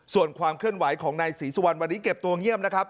ส่วนความเคลื่อนไหวของนายศรีสุวรรณวันนี้เก็บตัวเงียบนะครับ